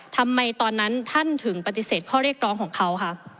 ทำไมตอนนั้นท่านถึงปฏิเสธข้อเรียกร้องของเขาคะ